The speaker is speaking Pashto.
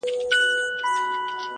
سخت به مي تر دې هم زنکدن نه وي ،